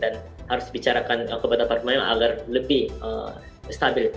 dan harus bicarakan kepada part time agar lebih stabil